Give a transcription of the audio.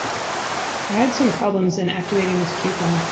I had some problems in activating this coupon.